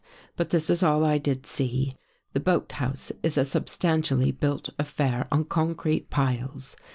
But this is all I did see. The boathouse is a substantially built affair on concrete piles.